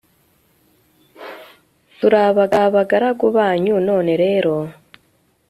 turi abagaragu banyu; none rero